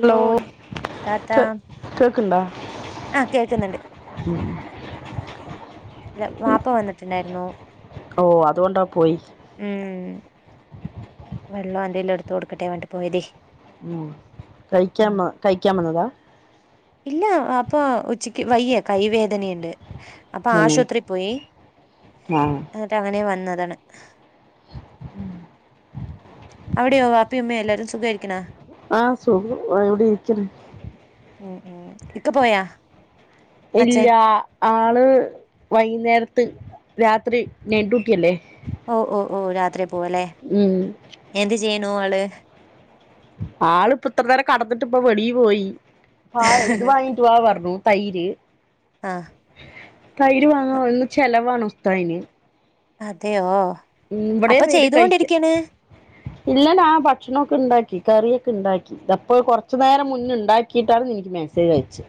Hello താത്ത കേ കേക്ക് ണ്ടാ ആ കേൾക്കുന്നുണ്ട് [inaudible] ല്ല വാപ്പ വന്നിട്ടുണ്ടായിരുന്നു ഓ അതുകൊണ്ടാ പോയി ഉം വെള്ളോന്റേൽ എടുത്ത് കൊടുക്കട്ടേ വണ്ടി പോയതി ഉം കഴിക്കാൻ കഴിക്കാൻ വന്നതാ ഇല്ല വാപ്പ ഉച്ചക്ക് വയ്യ കൈ വേദനയുണ്ട് അപ്പൊ തന്നെ ആശുപത്രി പോയി ന്നിട്ട് അങ്ങനെ വന്നതാണ് ഉം ഉം. അവിടെയോ വാപ്പിയും ഉമ്മയും എല്ലാരും സുഖായിരിക്ക്ണാ ആ സുഖം വിടെരിക്ക്ണ് ഉം ഉം ഇക്ക പോയാ അച്ഛൻ ഇല്ലാ ആള് വൈന്നേരത്ത് രാത്രി നൈറ്റ് ഡ്യൂട്ടിയല്ലേ ഓ ഓ ഓ രാത്രി പോവാല്ലെ ഉം എന്ത് ചെയ്യണു ആള് ആളിപ്പ ഇത്ര നേരം കടന്നിട്ടിപ്പ വെളീ പോയി [unintelligible] തൈര് ആ തൈര് വാങ്ങാ ഇന്ന് ചെലവാണ് ഉസ്താദ്ന് അതെയോ അപ്പൊ ചെയ്തുകൊണ്ടിരിക്കാണ് ഇല്ല ഞാൻ ഭക്ഷണൊക്കെണ്ടാക്കി കറിയൊക്കെണ്ടാക്കി ഇതപ്പോ കുറച്ചു നേരം മുന്നെ ണ്ടാക്കിയിട്ടാണ് നിനിക്ക് മെസ്സേജയച്ചെ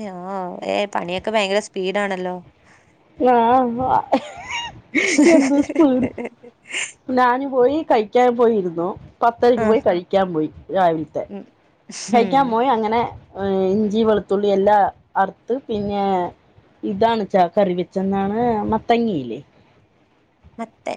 ഏഹ് ഓ ഏഹ് പണിയൊക്കെ ഭയങ്കര സ്പീഡാണല്ലോ ആഹ് എന്ത് സ്പീഡ് ഞാന് പോയി കഴിക്കാൻ പോയിരുന്നു പത്തരക്ക് ആ പോയി കഴിക്കാൻ പോയി രാവിലത്തെ കഴിക്കാൻ പോയി അങ്ങനെ ഇഞ്ചി വെളുത്തുള്ളി എല്ലാ അറുത്ത് പിന്നെ ഇതാണ് ച കറി വെച്ചെ എന്നാണ് മത്തങ്ങയില്ലേ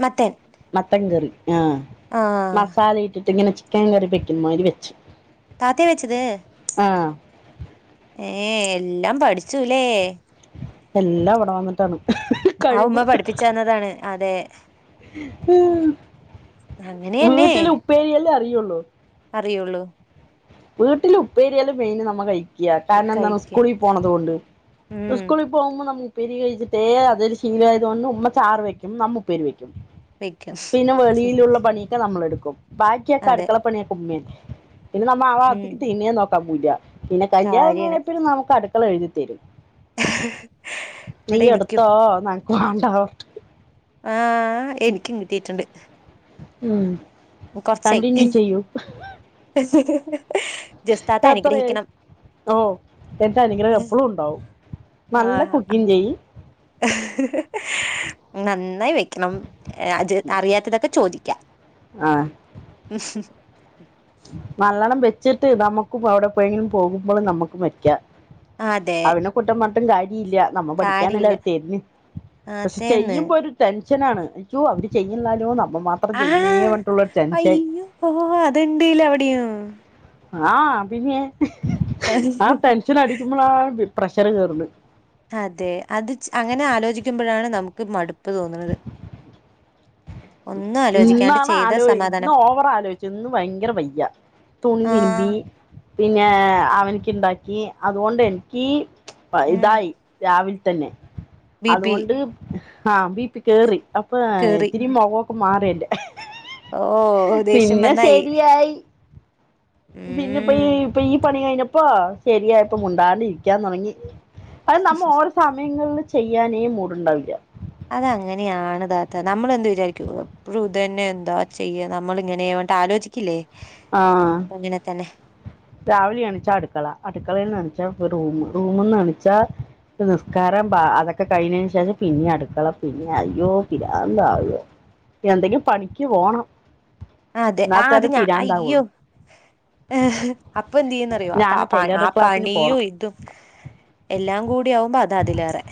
മത്തൻ മത്തൻ കറി ആഹ് ആ മസാല ഇട്ടിട്ട് ഇങ്ങനെ ചിക്കൻ കറി വെക്കുമ്മാതിരി വെച്ചു താത്തേ വെച്ചത് ആഹ് ഏഹ് എല്ലാം പഠിച്ചുല്ലേ എല്ലാം ഇവിടെ വന്നിട്ടാണ് ആഹ് ഉമ്മ കഴിവ് പഠിപ്പിച്ചന്നതാണ് അതെ അങ്ങനെയന്നെ ഉപേരിയല്ലേ അറിയൊള്ളൂ അറിയുള്ളൂ വീട്ടിൽ ഉപ്പേരിയല്ലും മെയിന് നമ്മ കഴിക്ക്യാ കാരണം എന്താണ് കഴിക്ക സ്കൂളിൽ പോണത്കൊണ്ട് ഉം സ്കൂളിൽ പോകുമ്പോ നമ്മ ഉപ്പരി കഴിച്ചിട്ടേ അതൊരു ശീലായത് കൊണ്ട് ഉമ്മ ചാറ് വെക്കും നമ്മ ഉപ്പേരി വെക്കും വെക്കും പിന്നെ വെളിയിലുള്ള പണിയൊക്കെ നമ്മളെടുക്കും ബാക്കിയൊക്കെ അതെ അടുക്കള പണിയൊക്കെ ഉമ്മെന്നെ ഉം മ്മാവാത്തിക്ക് തിരിഞ്ഞേ നോക്കാൻ പോവുല പിന്നെ കല്യാണം കഴിഞ്ഞെ കാര്യാണ് പിന്നെ നമുക്ക് അടുക്കള എഴുതി തരും നീ ഇവിടെ എനിക്കും എടുത്തോ എനക്ക് വേണ്ടാ പറഞ്ഞിട്ട് ആഹ് എനിക്കും കിട്ടീട്ടുണ്ട് ഉം കൊറച്ചായി കണ്ടിന്യൂ ചെയ്യൂ ജസിത്താത്ത എത്രയായി അനുഗ്രഹിക്കണം ഓ എന്റെ അനുഗ്രഹം എപ്പഴും ഉണ്ടാവും ആ നല്ല കുക്കിങ് ചെയ നന്നായി വെക്കണം അത് അറിയാത്തതൊക്കെ ചോദിക്ക ആഹ് ഉ് നല്ലണം വെച്ചിട്ട് നമുക്കും അവിടെ എപ്പോഴെങ്കിലും പോകുമ്പോളും നമുക്കും വയ്ക്ക അതെ കുട്ടം പറഞ്ഞിട്ട് കാര്യ ഇല്ല നമ്മൾ പഠിക്കാനല്ല കാര്യയില് അവർ തരു പക്ഷെ അതേന്ന് ചെയ്യുമ്പോ ഒരു ടെൻഷനാണ് അയ്യോ അവര് ചെയ്യുന്നില്ലാലോ നമ്മൾ മാത്രം ചെയ്യുന്നേ പറഞ്ഞിട്ടുള്ള ഒരു ടെൻഷൻ ഓഹ അത്ണ്ട്ല്ല അവിടെയും ആഹ് പിന്നെ ആഹ് ടെൻഷൻ അടിക്കുമ്പോൾ പ്രഷർ കേയറണ്ട് അതെ അത് അങ്ങനെ ആലോചിക്കുമ്പോഴാണ് നമുക്ക് മടുപ്പ് തോന്നുന്നത് ഒന്നും ആലോചിക്കാണ്ട് ഇന്നാണ് ചെയ്ത ആലോ ഇന്ന് സമാധാനം ഓവർ ആലോചി ഇന്ന് ഭയങ്കര വയ്യ തുണി ആ തിരുമ്പി പിന്നെ അവനക്ക് ഉണ്ടാക്കി അതുകൊണ്ട് എനിക്ക് ഉം ഇതായി രാവിലെ തന്നെ ബിപി അതുകൊണ്ട് ആഹ് ബി പി കേറി അപ്പൊ കേറി ഇത്തിരി മുഖൊക്കെ മാറി എന്റെ ഓ ദേഷ്യം പിന്നെ വന്നായി ശരിയായി പിന്നെ ഇപ്പൊ ഈ ഉം ഇപ്പ ഈ പണി കഴിഞ്ഞപ്പോ ശെരിയായപ്പ മുണ്ടാണ്ട് ഇരിക്കാൻ തുടങ്ങി അത് നമ്മ ഓരോ സമയങ്ങളിൽ ചെയ്യാനേ മൂടുണ്ടാവില്ല അത് അങ്ങനെയാണ് താത നമ്മൾ എന്ത് വിചാരിക്ക എപ്പഴും ഇതു തന്നെ എന്താ ചെയ്യ നമ്മള ഇങ്ങനെ ആലോചിക്കില്ലേ ആഹ് അങ്ങനെ തന്നെ രാവിലെ എണിച്ചാ അടുക്കള അടുക്കളയിൽന്ന് എണിച്ചാ റൂം റൂമന്ന് എണിച്ചാൽ നിസ്കാരം അതൊക്കെ കഴിഞ്ഞതിന് ശേഷം പിന്നെ അടുക്കള പിന്നെ അയ്യോ പിരാന്താവ് എന്തെങ്കി പണിക്ക് പോണം. അതെ എന്നാൽ ആ അത് തന്നെ ഞാ. അയ്യൊ പിരാന്താവുള്ളൂ അപ്പ എന്തെയ്ന്നറിയോ അപ്പ ഞാൻ പ ആ ടൈലറിംഗ് ക്ലാസ്സിന് പോണം പണിയോ. ഇതും എല്ലാം കൂടി ആകുമ്പോ അതതിലേറെ.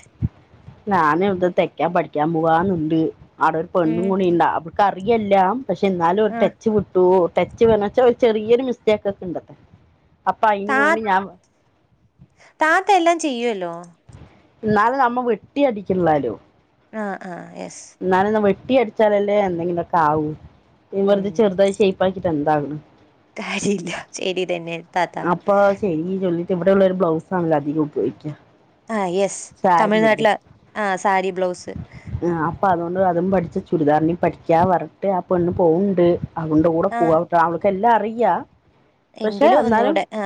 ഞാന് ത് തെക്ക്യാൻ പഠിക്ക്യാൻ പോവാന്നുണ്ട് അടൊര് പെണ്ണും ഉം കൂടിണ്ട അവൾക്കറിയല്ലാം. പക്ഷെ ന്നാലും ഒരു ആ ടച്ച് വിട്ടു ടച്ച് പർഞ്ഞ വച്ചാ ഒരു ചെറിയൊരു മിസ്റ്റേക്കൊക്കെണ്ടത. അപ്പ അയ്നു വേണ്ടി ഞാ. താത്തെല്ലാം ചെയ്യുവല്ലോ. ന്നാള് നമ്മ വെട്ടി അടിക്കിള്ളാലോ. ആഹ് ആഹ് യെസ്. ന്നാലൊന്ന് വെട്ടി അട്ച്ചാലല്ലേ എന്തെങ്കിലൊക്കാവൂ ഇ ഉം വെർതെ ചെർതായി ഷേപ്പാക്കിട്ടെന്താക്ണ്. കാര്യമില്ല ശരി തന്നെ. താത്ത അപ്പൊ ശരി ചൊല്ലിട്ട് ഇവടെള്ളരു ബ്ലൗസാണല്ലോ അധികം ഉപയോഗിക്ക്യ. ആഹ് യെസ് തമിഴ്നാട്ടില ആഹ് സാരി ബ്ലൗസ്. ആഹ് അപ്പ അതുകൊണ്ട് അതും പഠ്ച്ച ചുരിദാറിന് പഠിക്ക്യാ പർഞ്ഞിട്ട് ആ പെണ്ണ് പോവുണ്ട്. അതുകൊണ്ട് കൂടെ ആ പോവാട്ട അവൾക്കെല്ലാ അറിയാ. എങ്കിലു ഒന്നൂടെ ആ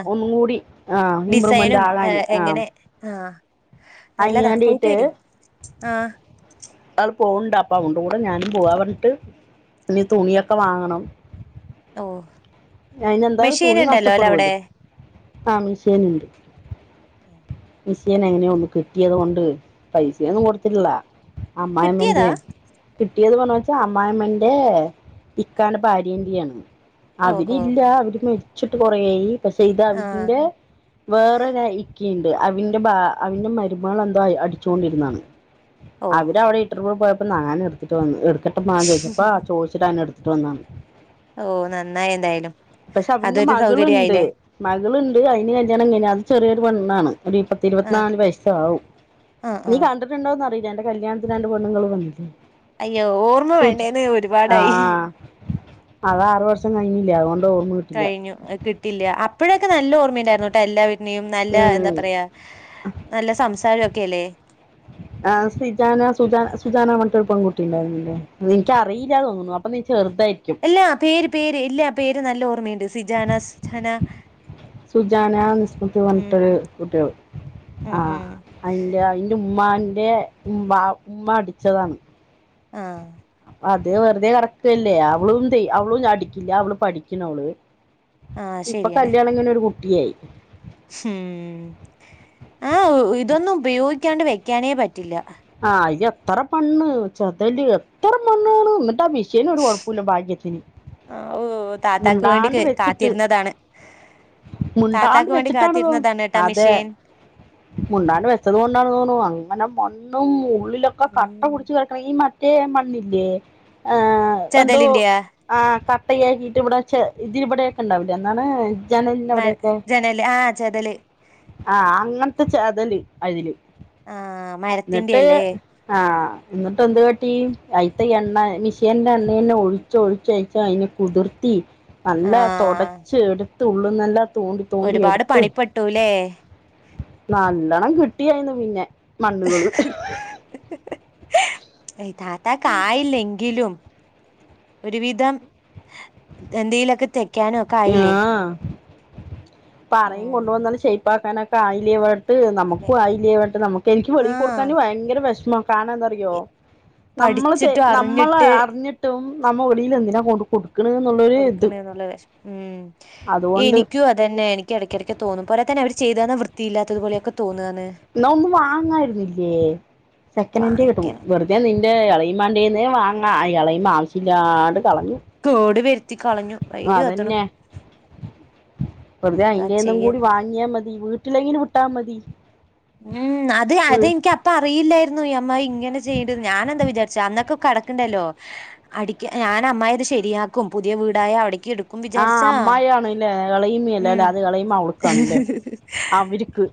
ആ ഇമ്പ്രൂവ്മെന്റ് ഡിസൈനും എ ആകാന് ആ എങ്ങനെ ആഹ്. നല്ലതാ പോയിട്ട് അയിനാണ്ടീട്ട് വര് ആഹ്. ആള് പോവ്ണ്ട് അപ്പ അവൾടെകൂടെ ഞാനും പോവാ പർഞ്ട്ട് ഞ്ഞ് തുണിയൊക്ക വാങ്ങണം. ഓഹ്. ഞ്ഞയിനെന്താ തുണി നഷ്ടപ്പെടുവല്ലോ ആ മിഷിന്ണ്ട്. അ എ മശിനെങ്ങന്യോ ഒന്ന് കിട്ട്യത് കൊണ്ട് പൈസയൊന്നും കൊടുത്തില്ല കിട്ടിയതാ അമ്മായിമ്മൻ്റിം. കിട്ടിയത് പർഞ്ഞ വച്ചാ അമ്മായിമ്മൻ്റെ ഇക്കാന്റെ ഭാര്യൻ്റെയാണ്. ഓ ഓ അവരില്ല അവര് മെര്ച്ചിട്ട് കൊറേയി പക്ഷെ ഇത് ആ അവൻ്റെ വേറൊരാ ഇക്കിണ്ട് അവിന്റ് ഭാ അവിന്റ് മരുമകളെന്തോയി അടിച്ചോണ്ടിരുന്നാണ്. ഓ അവരവിടെ ഇട്ടർന്ന് പോയപ്പൊ ന്നാന് ഇട്ത്തിട്ട് വന്ന് എടുത്തിട്ട് മാ പൊയ്ചപ്പാ ചോദിച്ചട്ടങ്ങനെട് തു അന്നാന്ന്. ഓഹ് നന്നായി എതായ്ലും അതൊരു സൗകര്യായിലേ. മകള്ണ്ട് അയിന് കല്യാണം കയ്ഞ്ഞ് അത് ചെറ്യോരു പെണ്ണാണ് ഒരിപ്പ ആഹ് ഇരുപത്നാല് വയസ്സാവും ആഹ് നീ ആഹ് കണ്ടിട്ടുണ്ടോന്നറിയില എന്റെ കല്യാണത്തിന് രണ്ട് പെണ്ണുങ്ങള് വന്നില്ലേ. അയ്യോ ഓർമ്മ സൂചി വേണ്ടേന്നെ ആ ഒരുപാടായി. അത് ആറ് വർഷം കഴിഞ്ഞില്ല അതുകൊണ്ട് ഓർമ്മ കിട്ടില്ല കഴിഞ്ഞു കിട്ടില്ല അപ്പോഴക്കെ നല്ല ഓർമ്മെണ്ടായിര്ന്നു ട്ടോ എല്ലാവീട്ട്നേയും നല്ല എന്താ ഉം പറയാ. നല്ല സംസാരം ഒക്കെ അല്ലേ. ആഹ് സിജാന സുജന സുജാന പർഞിട്ടൊരു പെങ്കുട്ടി ണ്ടായിരുന്നില്ലേ നിൻക്ക് അറിയില തോന്നുണു അപ്പ നീ ചെർതായിരിക്ക്യും. ല്ല പേര് പേര് ഇല്ല പേര് നല്ല ഓർമ്മയുണ്ട് സിജാന സുജനാ. സുജാന നിസ്മൃതി പർഞ്ഞിട്ടൊരു കുട്ട്യള് ഉം ആഹ്. ഉം അയിന്റ അയിന്റുമ്മാൻ്റെ ഉം ബ ഉമ്മ അടിച്ചതാണ്. ആഹ്. അത് വെർതെ കറക്ടല്ലേ അവളുന്തേ അവളും അടിക്കില്ല അവള് പഠിക്കിണോള്. ആഹ് ഇപ്പ ശരിയന്നെ കല്യാണം കയ്ഞ്ഞൊര് കുട്ടിയായി. ഉം ആഹ് ഇതൊന്നും ഉപയോഗിക്ക്യാണ്ട് വെക്ക്യാനേ പറ്റില്ല. ആഹ് അയ എത്തറ പണ്ണ് ചെതല് എത്ര മണ്ണാണ് ന്നട്ടാ മിഷ് കേനൊരു കൊഴ്പ്പൂല്ല ഭഗ്യത്തിന്. ഓഹ് താത്താക്ക് വേണ്ടി കര് കാത്തിര്ന്നതാണ്. മുണ്ടാണ്ട് വെച്ചിട്ടാണ്തോ കേട്ടാ അതെ. മെഷീൻ മുണ്ടാണ്ട് വെച്ചത് കൊണ്ടാണ് തോണു അങ്ങനെ മണ്ണും മുള്ളിലൊക്കെ കട്ട ഉം പിടിച്ച് എ. ക്രീ മറ്റേ മണ്ണില്ലേ ഏഹ് എന്തോ. ചതലിന്റെയാ ആഹ് കട്ടയാക്കിട്ട് ഇവിടെ ച്ചേ ഇതി ബടെക്കെ ണ്ടാവുലേ അന്നാണ്. മ ജനല് ആഹ് ചെതല് ആഹ് അങ്ങൻത്തെ ചെതല് അയില് ആഹ് ന്നിട്ട് ആഹ് എന്നിട്ട് എന്ത് കാട്ടി അയിത്ത എണ്ണ മിഷീന്റെ എണ്ണ അന്നെ ഒഴി ചൊ ഒഴിച്ചയച്ചാ അയിന് കുതിർത്തി ആ നല്ല തൊടച്ച് എടുത്ത് ഉള്ളന്ന്എല്ലാം തോണ്ടി തോണ്ടി ഒരുപാട് എടുത്ത് പണിപ്പെട്ടൂല്ലേ നല്ലോണം കിട്ടിയായിന്ന് പിന്നെ മണ്ണുകള് താത്താക്കായില്ലെങ്കിലും ഒരുവിധം എന്തേയ്ലൊക്കെ തെക്കാനും ഒക്കെ ആയില്ലേ ആഹ് ഇപ്പ ആറേം കൊണ്ട് ഉം വന്നത് ഷെയിപ്പാക്കാൻ ഒക്കെ ആയില്ലേ വ് ട്ട് നമുക്കും ആയില്ലേ പറഞ്ട്ട് നമുക്ക് എനിക്ക് ആ വെളി കൊടുക്കാൻ ഭയങ്കര വെഷമാ കാരണം എന്താ റിയ്യോ നമ്മള് തെ പഠിച്ചിട്ടും നമ്മള് അറിഞ്ഞിട്ട് അറിഞ്ഞിട്ടും നമ്മ വെളിയിൽ എന്തിനാ കൊണ്ട് കൊടു ക്ക്ണ്ന്ന്ള്ളൊ കൊടുക്കണേ എന്നുള്ള വിഷമം ഉം അതുകൊണ്ട് എനിക്കും അതന്നെ എനി ക്കെടെക്കെടക്ക് തോന്നും പോരാത്തേന് അവര് ചെയ്യ്തെന്ന വൃത്തിയില്ലാത്തത് പോലെ ഒക്കെ തോന്ന്ആന്ന് ന്നാ ഒന്ന് വാങ്ങായിരുന്ന്ല്ലേ സെക്കൻനന്റ് കിട്ടും വാങ്ങിക്കണം വെറുത ഞാ നിന്റെ എളയിമാന്റേന്ന് വാങ്ങാ എളേയ്മ ആവശ്യല്ലാണ്ട് കളഞ്ഞു തോട് വെരുത്തി കളഞ്ഞു വൈര് വത്തണു അതന്നെ വെറുതെ എന്താ അയിന്റെന്നും ചെയ്യാ കൂടി വാങ്ങിയാ മതി വീട്ടിലെങ്ങനും വിട്ടാ മതി ഉം അത് അത് ഉം. ഇനിക്ക് അപ്പ അപ്പ അറിയില്ലായിരുന്നു ഈ അമ്മായി ഇങ്ങനെ ചെയ്യ്ണ്ട്ന്ന് ഞാനെന്താ വിചാരിച്ച അന്നൊക്കെ കടക്ക്ണ്ടല്ലോ അടിക്കി ഞാൻ അമ്മയിത് ശരിയാക്കും പുതിയ വീടായ അവിടേക്ക് എടു ക്കും ആ വിചാരിച്ചാ അമ്മായിയാണല്ലേ ഇളയിമയല്ലേ ഉം അല്ലേ അത് ഇളയിമ അവൾക്കാണല്ലേ അവർക്ക്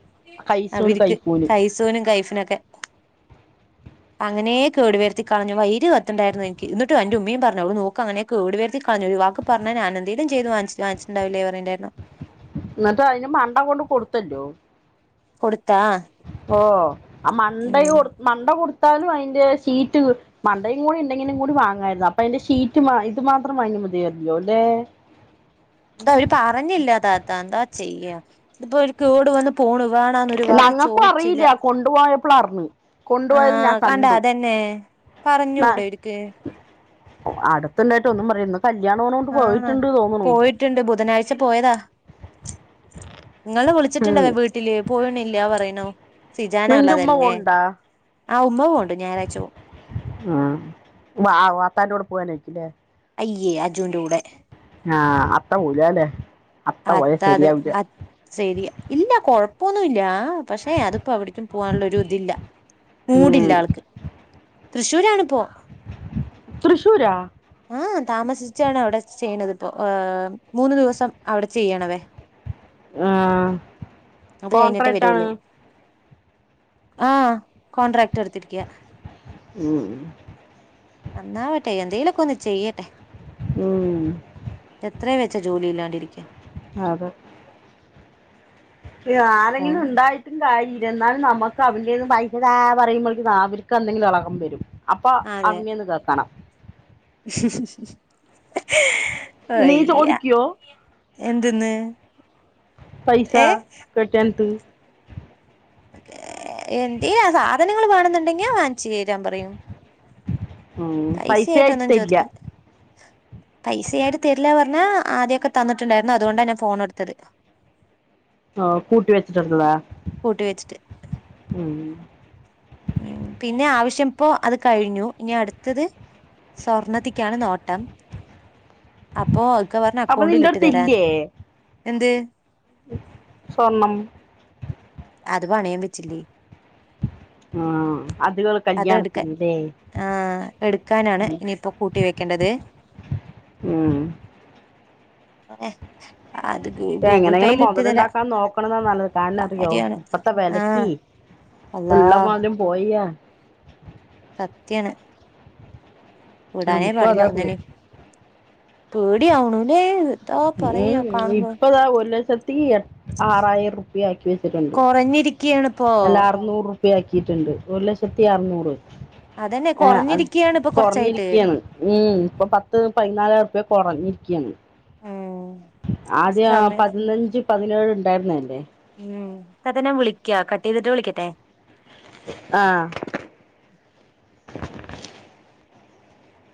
കൈസൂന് അവരിക്ക് കൈപ്പൂന് കൈസൂനും കൈഫിനൊക്കെ അങ്ങനേ കേടുവരുത്തി കളഞ്ഞു. വൈര് കത്തണ്ടായിരുന്നു എനിക്ക്. എന്നിട്ട് എന്റെ ഉമ്മയും പറഞ്ഞൂ അവളു നോക്ക് അങ്ങനെ കേടു വരുത്തി കളഞ്ഞു. ഒരു വാക്ക് പറഞ്ഞാ ഞാനെന്തേലും ചെയ്ത് വാങ്ങിച്ച് വാങ്ങിച്ചിട്ടുണ്ടാവില്ലേ പറയെണ്ടായിരുന്നു. ന്നട്ട് അതിന് മണ്ട കൊണ്ട് കൊടുത്തല്ലോ. കൊടുത്താ. ഓഹ് ആഹ് മണ്ട ഉം കൊ മണ്ട കൊടുത്താലും അതിൻ്റെ ഷീറ്റ് കി മണ്ടയും കൂടി ഉണ്ടെങ്കിലും കൂടി വാങ്ങായിരുന്നു. അപ്പൊ അതിന്റെ ഷീറ്റ് ഇത് മാത്രം വാങ്ങി മതിയായിരുന്നല്ലോ ല്ലേ. ഇതവര് പറഞ്ഞില്ല താത്താ. എന്താ ചെയ്യാ ഇതിപ്പോ അവര് കേട് വന്ന് പോണു. വേണാന്നൊരു വാക്ക് ചോയിച്ചില്ല. കൊണ്ടുപോയ പ്പളറിഞ്ഞ് ആഹ് കണ്ടാ അതെന്നെ. ന- പറഞ്ഞൂടെ ഓര്ക്ക് അടുത്തുണ്ടായിട്ട് ഒന്നും പറയില്ല. ഇന്ന് കല്യാണുള്ളോണ്ട് പോയിട്ടുണ്ട് തോന്നണൂ. ട്ട്ണ്ട്. ബുധനാഴ്ച പോയതാ. ഇങ്ങളിനെ ഉം. വിളിച്ചിട്ടുണ്ടല്ല വീട്ടില്. പോയണില്ലാ പറയണൂ. സിജാന് നിന്റെ ഉമ്മ ഉള്ളതല്ലേ. കൊണ്ടാ ആഹ് ഉമ്മ പോണ്ട്. ഞായറാഴ്ച പോവും. ആഹ് വാ വാപ്പാന്റെ കൂടെ പോവാനായിരിക്കുല്ലേ. അയ്യേ അജൂന്റെ കൂടെ. ആഹ് അത്ത പോവൂലല്ലേ. അത്താ അത്. അത് ശരിയാ ഇല്ല കൊഴപ്പൊന്നൂല്ല. പക്ഷെ അതിപ്പോ എവിടക്കും പോവാനുള്ളൊ ഒരു ഇതില്ല. ഉം. മൂടില്ല ആൾക്ക്. തൃശ്ശൂരാണ് പ്പോ. തൃശ്ശൂരാ. ആഹ് താമസിച്ചാണ് അവ്ടെ ചെയ്യണതിപ്പോ. മൂന്നു ദിവസം. അവിടെ ചെയ്യണതേ. ആ അത് കഴിഞ്ഞിട്ടേ കോൺട്രാക്ട് ആണ് വരോളൂ. ആഹ് കോൺട്രാക്ട് എടുത്തിരിക്കാ. ഉം. അന്നാവട്ടെ എന്തേലൊക്ക ഒന്ന് ചെയ്യട്ടെ ഉം എത്രയെന്നു വെച്ചാ ജോലിയില്ലാണ്ടിരിക്കാ അതെ ക്യാരെങ്കിലും പോന്ന് ഉണ്ടായി ഉണ്ടായിരുന്നാൽ നമ്മക്ക് അവൻ്റേന്ന് പൈസാ താ പറയുമ്പോഴേക്കും അവർക്ക് എന്തെങ്കിലും ഇളകം വരും അപ്പൊ അതെ അവങ്ങേന്ന് കേക്കണം നീ വയ്യ ചോദിക്കുവോ എന്തന്ന് പൈസ കെട്ടിയോൻത്ത് എന്ത് ചെയ്യാ സാധനങ്ങൾ വേണെന്നുണ്ടെങ്കി വാങ്ങിച്ചു തരാൻ പറയും പൈസ ആയിട്ട് പൈസയായിട്ടൊന്നും തരില്ല ചോദിക്കില്ല പൈസയായിട്ട് തരില്ലാ പറഞ്ഞാ ആദ്യമൊക്കെ തന്നിട്ടുണ്ടായിരുന്നു അതുകൊണ്ടാ ഞാൻ ഫോൺ എടുത്തത് ആഹ് കൂട്ടി വെച്ചിട്ടുണ്ടല്ലേ കൂട്ടി വെച്ചിട്ട് ഉം ഉം പിന്നെ ആവശ്യം ഇപ്പോ അത് കഴിഞ്ഞു ഇനി അടുത്തത് സ്വർണ്ണത്തിക്കാണ് നോട്ടം അപ്പോ ഇക്ക പറഞ്ഞു അപ്പൊ അക്കൗണ്ടിൽ നിന്റെ ഇട്ട് അടുത്ത് തരാൻ ഇല്ലേ എന്ത് സ്വർണം അത് പണയം വെച്ചില്ലേ ആഹ് അത് കള് അത് എടുക്കാ കല്യാണത്തിനല്ലേ ആഹ് എടുക്കാനാണ് ഇനിയിപ്പോ കൂട്ടി വെക്കേണ്ടത് ഉം ഏഹ് അത് ഗൂഗിൾ എങ്ങനെയെങ്കിലും പേയിൽ ഇട്ട് തരാം മുതലുണ്ടാക്കാൻ നോക്കണാതാ നല്ലത് ന്താന്നറിയോ കാര്യാണ് ഇപ്പഴത്തെ ആഹ് വെലക്കി അള്ളാ ഉള്ള മുതലും പോയാ സത്യാണ് വിടാനെ നമുക്കും പാടില്ല അതാ പോയി ഒന്നിനേം പേടിയാവുണൂല്ലെ ന്ന് ഉം ഇപ്പതാ ഒരു ലക്ഷത്തി എ ആറായിരം പി ആക്കി വെച്ച്ട്ടുണ്ട് കൊറഞ്ഞിരിക്കയാണ് ഇപ്പോ എല്ല അറുനൂറുപ്പി ആക്കീട്ടുണ്ട് ഒരു ലക്ഷത്തി അറ്നൂറ് അതന്നെ ആഹ് അത് കൊറഞ്ഞിരിക്കയാണ് ഇപ്പൊ കൊറച്ചായിട്ട് കൊറഞ്ഞിരിക്കയാണ് ഉം ഇപ്പൊ പത്ത് പതിനാലായിറുപ്യ കൊറഞ്ഞിരിക്കയാണ് ഉം ആദ്യം അ സമയം പതിനഞ്ച് പതിനേഴ് ഉണ്ടായിറ്ന്നതല്ലെ ഉം താത്ത നാ വിളിക്കാ കട്ട് ചെയ്തിട്ട് വിളിക്കട്ടെ ആഹ്